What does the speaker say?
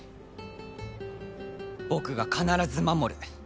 僕が必ず守る。